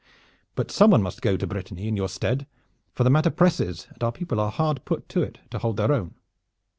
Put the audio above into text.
But some one must go to Brittany in your stead, for the matter presses and our people are hard put to it to hold their own."